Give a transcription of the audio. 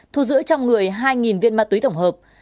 thu giữ trong người hai viên ma túy tổng hợp